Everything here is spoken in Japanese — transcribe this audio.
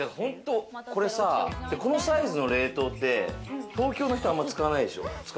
このサイズの冷凍って、東京の人はあんまり使わないでしょ。